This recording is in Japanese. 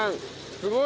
すごい！